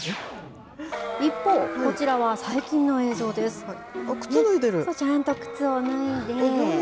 一方、こちらは最近の映像で靴脱いでる。